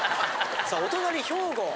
さあお隣兵庫。